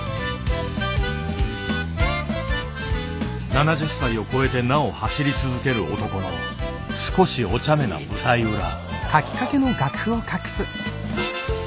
７０歳を超えてなお走り続ける男の少しおちゃめな舞台裏。